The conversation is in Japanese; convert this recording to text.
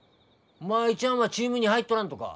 舞ちゃんはチームに入っとらんとか？